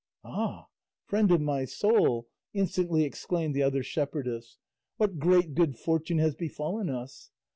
"Ah! friend of my soul," instantly exclaimed the other shepherdess, "what great good fortune has befallen us!